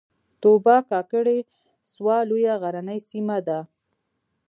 توبه کاکړۍ سوه لویه غرنۍ سیمه ده